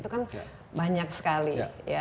itu kan banyak sekali